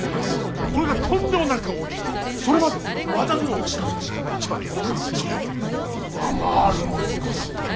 これがとんでもなく大きくそれまでは和田殿がしとめた鹿が一番であったがそれを上回るものでござった。